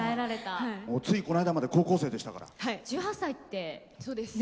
ついこないだまで高校生でしたから。